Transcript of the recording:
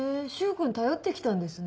君頼って来たんですね。